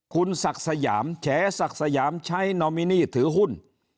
คุณศักดิ์สยามแฉศักดิ์สยามใช้นอมินีถือหุ้น